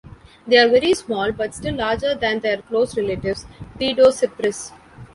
They are very small, but still larger than their close relatives "Paedocypris".